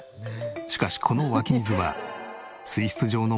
しかしこの湧き水は。